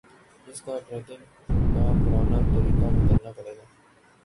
اس کا ٹریننگ کا پرانا طریقہ بدلنا پڑے گا